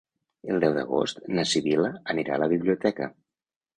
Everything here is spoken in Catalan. El deu d'agost na Sibil·la anirà a la biblioteca.